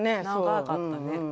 長かったね。